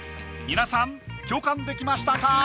皆さん共感できましたか？